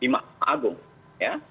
di mahkamah agung ya